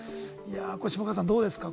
下川さん、どうですか？